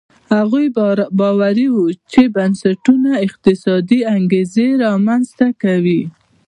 هغوی باوري وو چې بنسټونه اقتصادي انګېزې رامنځته کوي.